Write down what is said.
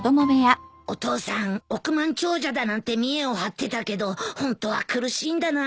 お父さん億万長者だなんて見えを張ってたけどホントは苦しいんだなあ。